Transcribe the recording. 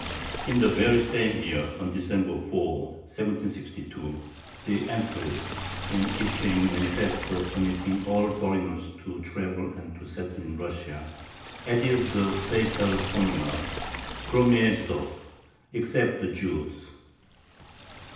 In the very same year, on December 4, 1762, the Empress, in issuing a manifesto permitting all foreigners to travel and to settle in Russia, added the fatal formula, kromye Zhydov ("except the Jews").